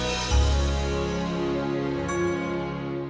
terima kasih om